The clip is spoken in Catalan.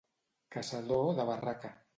Caçador de barraca.